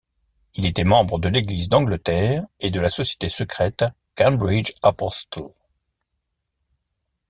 Il était membre de l'Église d'Angleterre et de la société secrète Cambridge Apostles.